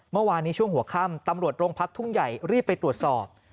เมื่อวานนี้ช่วงหัวค่ำตำรวจโรงพักทุ่งใหญ่รีบไปตรวจสอบ